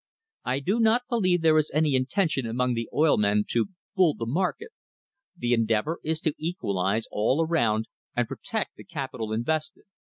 I do not believe there is any intention among the oil men to 'bull' the market: The endeavour is to equalise all around and protect the capital invested.